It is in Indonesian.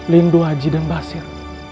lindu haji dan basir